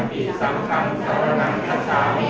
ทุติยังปิตพุทธธังสาระนังขาชามี